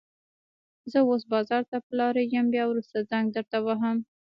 زه اوس بازار ته په لاره يم، بيا وروسته زنګ درته وهم.